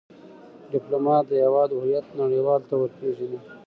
ډيپلومات د هیواد هویت نړېوالو ته ور پېژني.